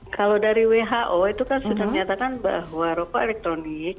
kalau dari who itu kan sudah menyatakan bahwa rokok elektronik